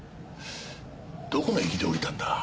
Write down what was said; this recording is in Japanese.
どこの駅で降りたんだ？